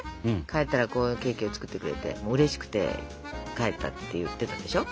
帰ったらこういうケーキを作ってくれてうれしくて帰ったって言ってたでしょ？